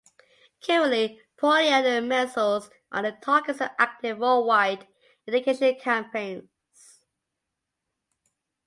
Currently, polio and measles are the targets of active worldwide eradication campaigns.